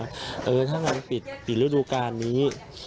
คือถ้างั้นปิดฤดูการนี้